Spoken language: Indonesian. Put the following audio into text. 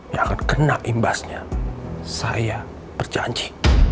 yang akan kena imbasnya saya berjanji